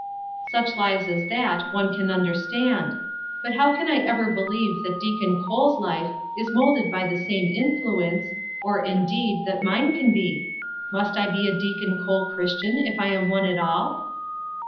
"Such lives as that one can understand; but how can I ever believe that Deacon Cole's life is molded by the same influence, or, indeed, that mine can be? Must I be a Deacon Cole Christian if I am one at all?"